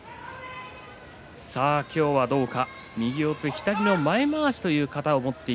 今日はどうか。